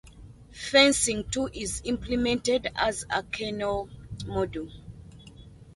Fencing too is implemented as a kernel module.